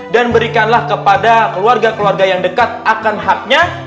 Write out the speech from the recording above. dan berikanlah kepada keluarga keluarga yang dekat akan haknya